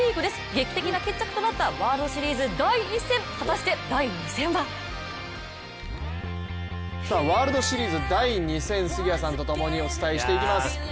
劇的な決着となったワールドシリーズ第１戦、果たして第２戦はワールドシリーズ第２戦、杉谷さんと共にお伝えしていきます。